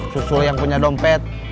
susul yang punya dompet